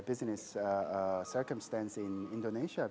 dan perkembangan di indonesia